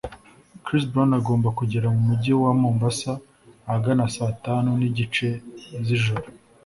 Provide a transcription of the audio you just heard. Chris Brown agomba kugera mu Mujyi wa Mombasa ahagana saa tanu n’igice z’ijoro